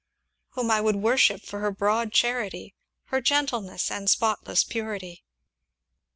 "Whom I would worship for her broad charity, her gentleness, and spotless purity."